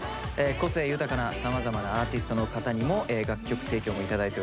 個性豊かな様々なアーティストの方にも楽曲提供もいただいております。